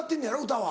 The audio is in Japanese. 歌は。